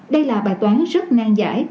đây là bài toán rất nang giải